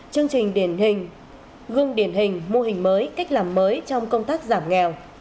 chương trình điển hình gương điển hình mô hình mới cách làm mới trong công tác giảm nghèo